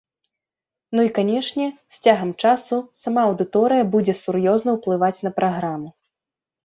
Ну і канешне, з цягам часу сама аўдыторыя будзе сур'ёзна ўплываць на праграму.